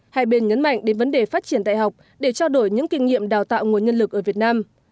hai bên nhấn mạnh đến vấn đề phát triển đại học để trao đổi những kinh nghiệm đào tạo nguồn nhân lực ở việt nam